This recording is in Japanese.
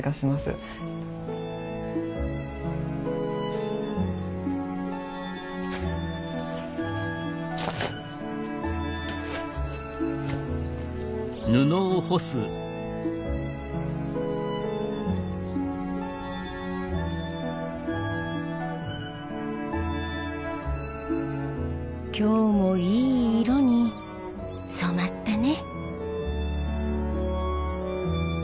その今日もいい色に染まったね。